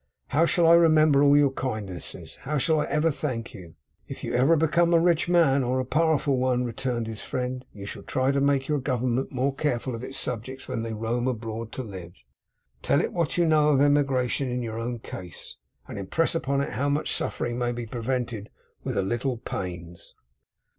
'How shall I remember all your kindness! How shall I ever thank you!' 'If you ever become a rich man, or a powerful one,' returned his friend, 'you shall try to make your Government more careful of its subjects when they roam abroad to live. Tell it what you know of emigration in your own case, and impress upon it how much suffering may be prevented with a little pains!